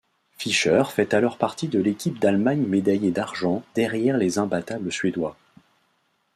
Fischer fait alors partie de l'équipe d'Allemagne médaillée d'argent derrière les imbattables Suédois.